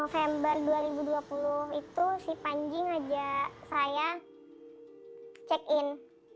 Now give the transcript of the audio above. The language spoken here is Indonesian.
sejak tahun dua ribu dua puluh panjing mengajak saya untuk check in